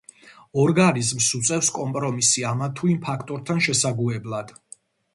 ორგანიზმს უწევს კომპრომისი ამა თუ იმ ფაქტორთან შესაგუებლად.